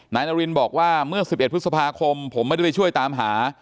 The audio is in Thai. นายนารินบอกว่าเมื่อ๑๑พฤษภาคมผมไม่ได้ไปช่วยตามหา